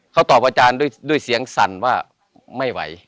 เขาตอบอาจารย์ด้วยเสียงสั่นว่าไม่ไหว